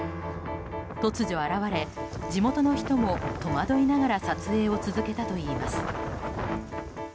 突如現れ、地元の人も戸惑いながら撮影を続けたといいます。